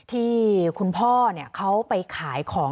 ที่คุณพ่อเขาไปขายของ